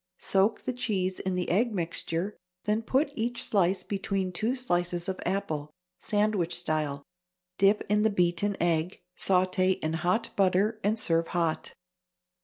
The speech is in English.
Soak the cheese in the egg mixture, then put each slice between two slices of apple, sandwich style; dip in the beaten egg, sauté in hot butter, and serve hot.